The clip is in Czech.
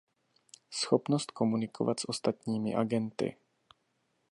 Schopnost komunikovat s ostatními agenty.